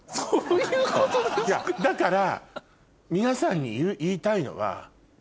だから。